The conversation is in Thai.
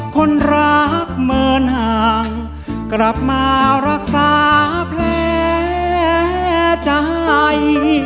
คนรักเหมือนห่างกลับมารักษาแผลใจ